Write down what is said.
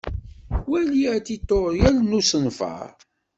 Wali atiṭuryel n usenfaṛ.